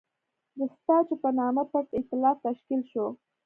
د ساتچو په نامه پټ اېتلاف تشکیل شو.